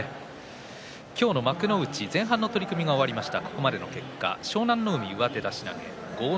幕内前半の取組が終わりました。